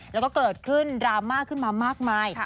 แล้วก็เกิดขึ้นดราม่าขึ้นมามากมาย